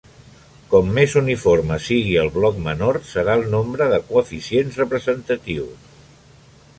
Com més uniforme sigui el bloc menor serà el nombre de coeficients representatius.